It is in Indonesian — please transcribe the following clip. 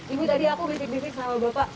ibu tadi aku bijak bisik sama bapak